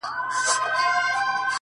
چي دا مي څرنگه او چاته سجده وکړه”